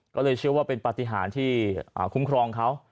ก็เลยเชื่อว่าเป็นปฏิหารที่คุ้มครองเขา